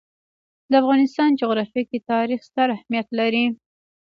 د افغانستان جغرافیه کې تاریخ ستر اهمیت لري.